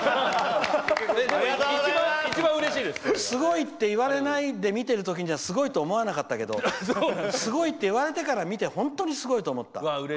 すごいって言われないで見てるときはすごいと思わなかったけどすごいって言われてから見て本当にすごいと思った。